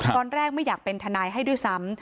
ตอนแรกไม่อยากเป็นทนายให้ด้วยซ้ำ